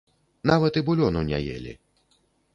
Нават і булёну не елі.